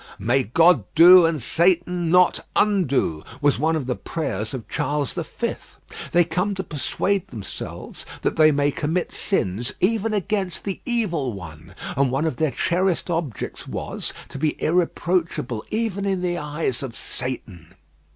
"May God do, and Satan not undo," was one of the prayers of Charles the Fifth. They come to persuade themselves that they may commit sins even against the Evil One; and one of their cherished objects was, to be irreproachable even in the eyes of Satan.